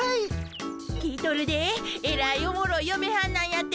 聞いとるでえらいおもろいよめはんなんやて？